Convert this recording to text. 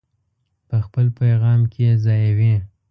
په خپل پیغام کې یې ځایوي.